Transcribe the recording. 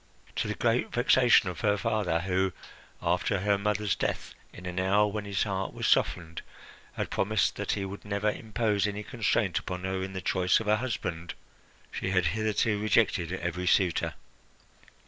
To the great vexation of her father who, after her mother's death, in an hour when his heart was softened, had promised that he would never impose any constraint upon her in the choice of a husband, she had hitherto rejected every suitor.